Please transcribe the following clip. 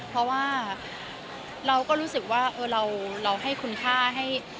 เพราะว่าเราก็รู้สึกว่าเราให้คุณค่าให้